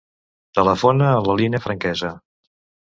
Telefona a la Lina Franquesa.